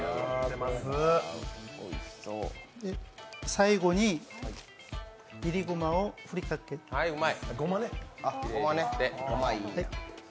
最後にいりごまを振りかけます。